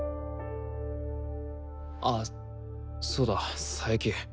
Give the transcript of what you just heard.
あっそうだ佐伯。